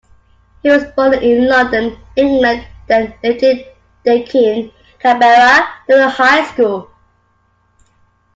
He was born in London, England then lived in Deakin, Canberra, during high school.